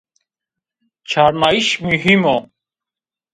Çarnayîş muhîm o